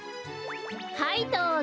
はいどうぞ。